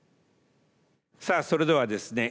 さあそれではですね